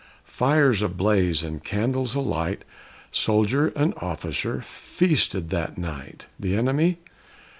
Fires ablaze and candles alight, Soldier and officer feasted that night. The enemy?